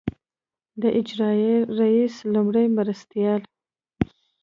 د اجرائیه رییس لومړي مرستیال.